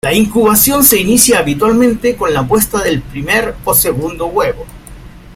La incubación se inicia habitualmente con la puesta del primer o segundo huevo.